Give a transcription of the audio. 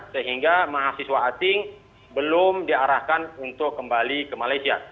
sehingga mahasiswa asing belum diarahkan untuk kembali ke malaysia